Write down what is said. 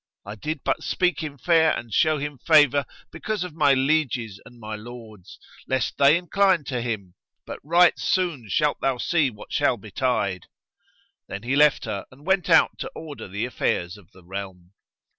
I did but speak him fair and show him favour because of my lieges and my lords, lest they incline to him; but right soon shalt thou see what shall betide." Then he left her and went out to order the affairs of the realm.